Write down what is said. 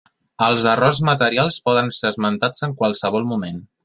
Els errors materials poden ser esmenats en qualsevol moment.